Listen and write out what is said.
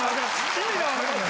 意味がわかんない。